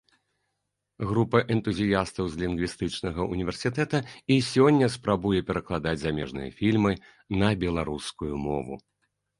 Група энтузіястаў з лінгвістычнага ўніверсітэта і сёння спрабуе перакладаць замежныя фільмы на беларускую мову.